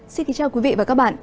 xin kính chào quý vị và các bạn